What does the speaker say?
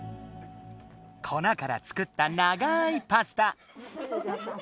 粉から作った長いパスタ。